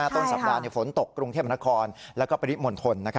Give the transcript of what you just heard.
ต้นสัปดาห์ฝนตกกรุงเทพฯบรรณครและปฏิมนต์หม่นทน